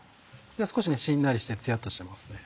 少ししんなりしてツヤっとしてますね。